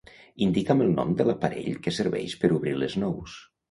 Indica'm el nom de l'aparell que serveix per obrir les nous.